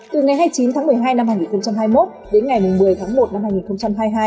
từ ngày hai mươi chín tháng một mươi hai năm hai nghìn hai mươi một đến ngày một mươi tháng một năm hai nghìn hai mươi hai